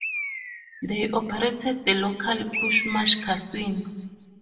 They operate the local Chumash Casino.